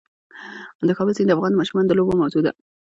د کابل سیند د افغان ماشومانو د لوبو موضوع ده.